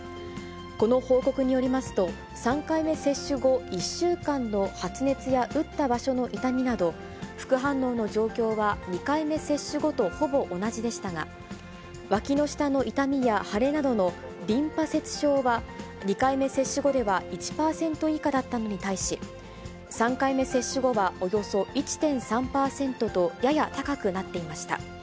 この報告によりますと、３回目接種後１週間の発熱や打った場所の痛みなど、副反応の状況は２回目接種後とほぼ同じでしたが、わきの下の痛みや腫れなどのリンパ節症は２回目接種後では１％以下だったのに対し、３回目接種後はおよそ１．３％と、やや高くなっていました。